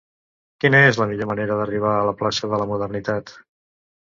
Quina és la millor manera d'arribar a la plaça de la Modernitat?